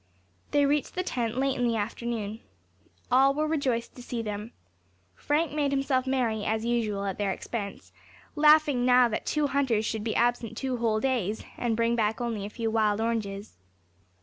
They reached the tent late in the afternoon. All were rejoiced to see them. Frank made himself merry, as usual, at their expense laughing now that two hunters should be absent two whole days, and bring back only a few wild oranges.